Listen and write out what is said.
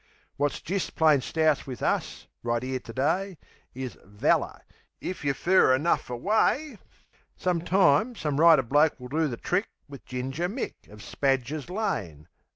Wot's jist plain stoush wiv us, right 'ere to day, Is "valler" if yer fur enough away. Some time, some writer bloke will do the trick Wiv Ginger Mick, Of Spadger's Lane.